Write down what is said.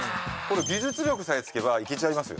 技術力さえつけばいけちゃいますよ